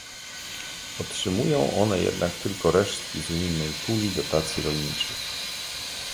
Otrzymują one jednak tylko resztki z unijnej puli dotacji rolniczych